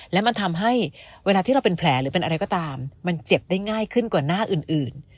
และมันทำให้เวลาที่เราเป็นแผลหรือเป็นอะไรก็ตามมันเจ็บได้ง่ายขึ้นกว่าหน้าอื่น